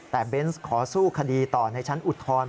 แต่เบนส์ขอสู้คดีต่อในชั้นอุทธรณ์